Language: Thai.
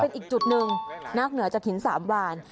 เป็นอีกจุดหนึ่งนักเหนือจัดหินสามหวาน